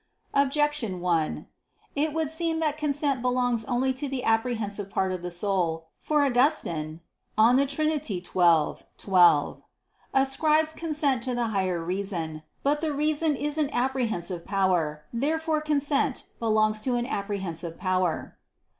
Objection 1: It would seem that consent belongs only to the apprehensive part of the soul. For Augustine (De Trin. xii, 12) ascribes consent to the higher reason. But the reason is an apprehensive power. Therefore consent belongs to an apprehensive power.